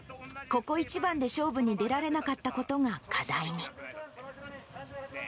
ここ一番で勝負に出られなかったことが課題に。